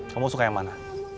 kamu suka yang mana